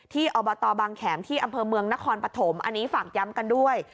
อบตบางแขมที่อำเภอเมืองนครปฐมอันนี้ฝากย้ำกันด้วย